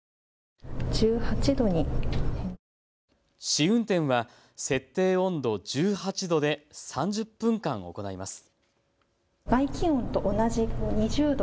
試運転は設定温度１８度で３０分間行います。